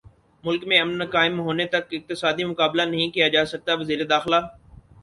ملک میں امن قائم ہونےتک اقتصادی مقابلہ نہیں کیاجاسکتاوزیرداخلہ